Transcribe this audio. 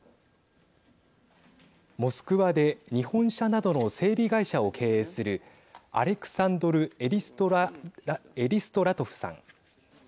モスクワで日本車などの整備会社を経営するアレクサンドル・エリストラトフさん。